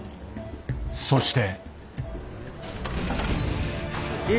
そして。